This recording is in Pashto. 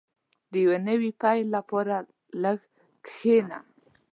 • د یو نوي پیل لپاره لږ کښېنه.